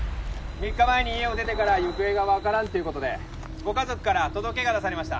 ３日前に家を出てから行方がわからんという事でご家族から届が出されました。